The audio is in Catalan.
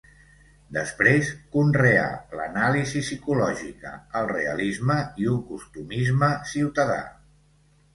Després conreà l'anàlisi psicològica, el realisme i un costumisme ciutadà.